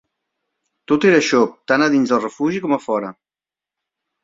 Tot era xop, tant a dins el refugi com a fora.